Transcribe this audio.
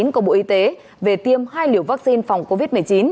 của bộ y tế về tiêm hai liều vaccine phòng covid một mươi chín